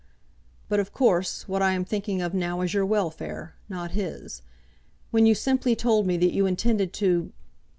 "But of course what I am thinking of now is your welfare, not his. When you simply told me that you intended to